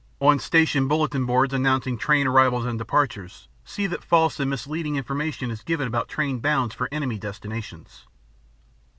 On station bulletin boards announcing train arrivals and departures, see that false and misleading information is given about trains bound for enemy destinations.